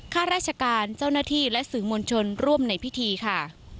ข้าราชการเจ้าหน้าที่และสื่อมวลชนร่วมในพิธีค่ะ